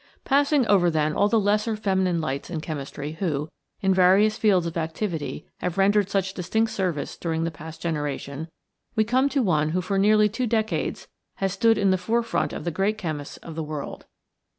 Passing over, then, all the lesser feminine lights in chemistry who, in various fields of activity, have rendered such distinct service during the past generation, we come to one who for nearly two decades has stood in the forefront of the great chemists of the world.